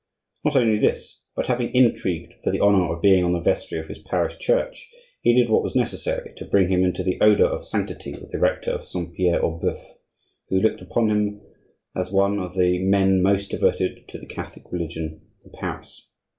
Not only this, but having intrigued for the honor of being on the vestry of his parish church, he did what was necessary to bring him into the odor of sanctity with the rector of Saint Pierre aux Boeufs, who looked upon him as one of the men most devoted to the Catholic religion in Paris.